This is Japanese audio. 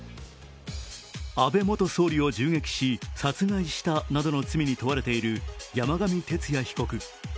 安倍元総理を銃撃し、殺害したなどの罪に問われている山上徹也被告。